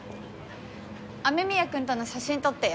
雨宮くんとの写真撮ってよ。